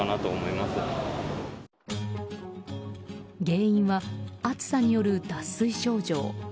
原因は暑さによる脱水症状。